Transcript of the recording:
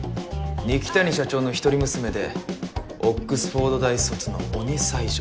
二木谷社長の一人娘でオックスフォード大卒の鬼才女。